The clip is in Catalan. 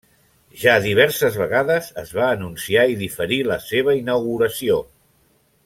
Ja diverses vegades es va anunciar i diferir la seva inauguració.